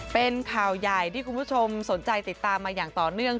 เป็นข่าวใหญ่ที่คุณผู้ชมสนใจติดตามมาอย่างต่อเนื่อง